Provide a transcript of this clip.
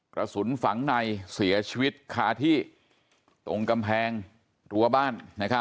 กระสุนฝังในเสียชีวิตคาที่ตรงกำแพงรั้วบ้าน